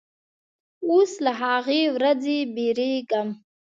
اوس له هغې ورځې بیریږم